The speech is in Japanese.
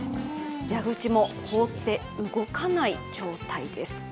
蛇口も凍って動かない状態です。